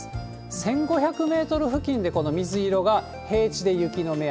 １５００メートル付近で、この水色が平地で雪の目安。